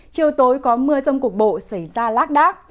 chiều tối có mưa rông cục bộ xảy ra lác đác